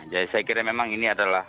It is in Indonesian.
jadi saya kira memang ini adalah